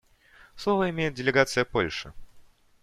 Слово имеет делегация Польши.